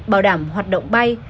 bảo đảm hoạt động bay